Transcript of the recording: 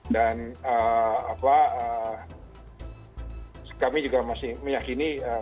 dan kami juga masih meyakini